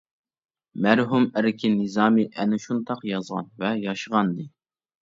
مەرھۇم ئەركىن نىزامى ئەنە شۇنداق يازغان ۋە ياشىغانىدى.